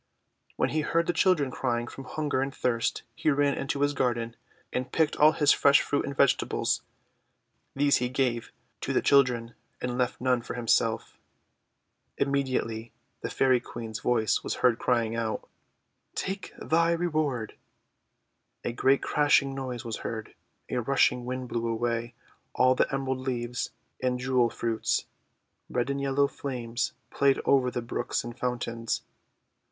When he heard the children crying from hun ger and thirst he ran into his garden and picked all his fresh fruit and vegetables. These he gave to the children, and left none for himself. Immediately the Fairy Queen's voice was heard crying out: — 286 THE WONDER GARDEN Take thy reward!' A great crashing noise was heard. A rushing Wind blew away all the emerald leaves and jewel fruits. Red and yellow flames played over the brooks and fountains.